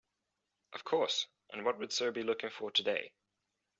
Of course, and what would sir be looking for today?